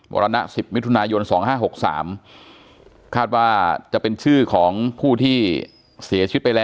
รณะ๑๐มิถุนายน๒๕๖๓คาดว่าจะเป็นชื่อของผู้ที่เสียชีวิตไปแล้ว